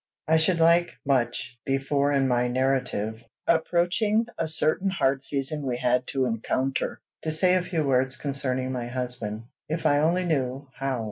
I should like much, before in my narrative approaching a certain hard season we had to encounter, to say a few words concerning my husband, if I only knew how.